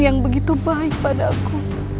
yang begitu baik padaku